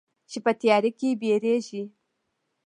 چې په تیاره کې بیریږې